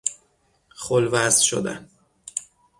خل وضع شدن